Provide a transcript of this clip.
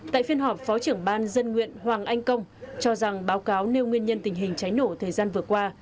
tại phiên họp phó trưởng ban dân nguyện hoàng anh công cho rằng báo cáo nêu nguyên nhân tình hình cháy nổ thời gian vừa qua